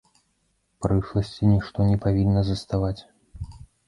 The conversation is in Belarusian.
Прышласці нішто не павінна заставаць.